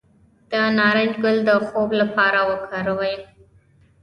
د نارنج ګل د خوب لپاره وکاروئ